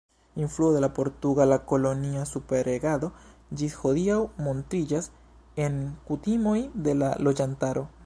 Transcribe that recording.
Influo de la portugala kolonia superregado ĝis hodiaŭ montriĝas en kutimoj de la loĝantaro.